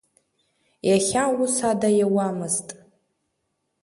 Иахьа ус ада иауамызт.